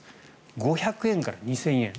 ５００円から２０００円。